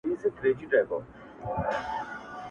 یو پاچا د پښتنو چي ډېر هوښیار وو.!